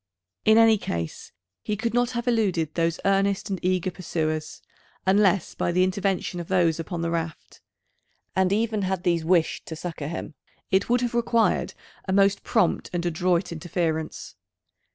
In any case he could not have eluded those earnest and eager pursuers, unless by the intervention of those upon the raft; and even had these wished to succour him, it would have required a most prompt and adroit interference.